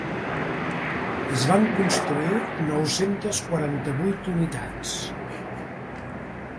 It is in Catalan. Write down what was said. Es van construir nou-centes quaranta-vuit unitats.